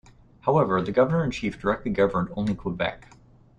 However, the governor-in-chief directly governed only Quebec.